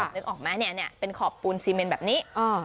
นึกออกไหมเป็นขอบปูนซีเมนแบบนี้